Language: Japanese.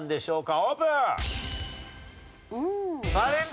オープン！